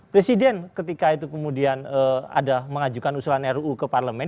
presiden ketika itu kemudian ada mengajukan usulan ruu ke parlemen